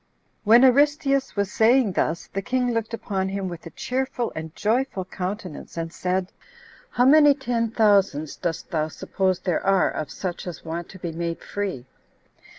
3. When Aristeus was saying thus, the king looked upon him with a cheerful and joyful countenance, and said, "How many ten thousands dost thou suppose there are of such as want to be made free?"